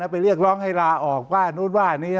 ไปเรียกร้องให้ลาออกว่านู้นว่านี้